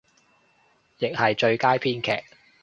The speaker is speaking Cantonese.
亦係最佳編劇